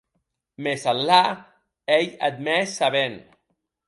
Mès Allà ei eth mès sabent!